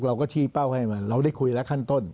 เราก็ชี้เป้าให้มาเราได้คุยแล้วขั้นต้น